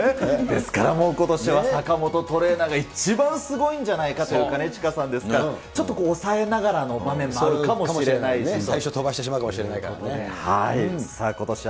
ですからもう、ことしは坂本トレーナーが一番すごいんじゃないかという兼近さんですから、ちょっとこう抑えながらの場面もあるかもしれないし。